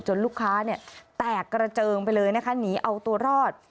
ลูกค้าเนี่ยแตกกระเจิงไปเลยนะคะหนีเอาตัวรอด